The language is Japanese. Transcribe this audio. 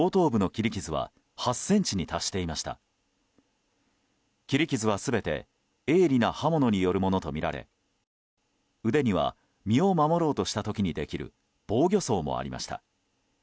切り傷は全て鋭利な刃物によるものとみられ腕には身を守ろうとした時にできる防御創もありました。